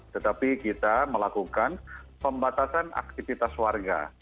tetapi kita melakukan pembatasan aktivitas warga